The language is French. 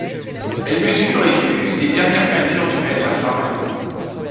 Elle mesure et fut une des dernières peinture du maître à San Marco.